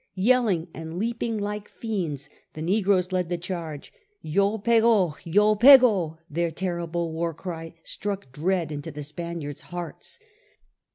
Yelling and leaping like fiends the negroes lead the charge. Y6 peh6 1 Yd pehd I — their terrible war cry struck dread into the Spaniards' hearts.